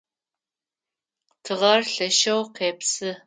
Тыгъэр лъэшэу къепсы.